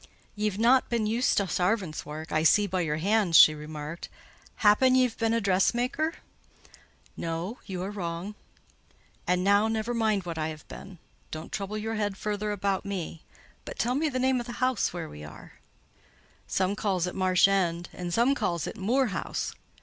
"Ye've not been used to sarvant's wark, I see by your hands," she remarked. "Happen ye've been a dressmaker?" "No, you are wrong. And now, never mind what I have been: don't trouble your head further about me; but tell me the name of the house where we are." "Some calls it Marsh End, and some calls it Moor House."